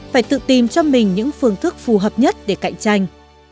phải tự tìm cho mình những phương thức phù hợp nhất để cạnh tranh